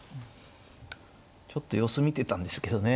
ちょっと様子見てたんですけどね。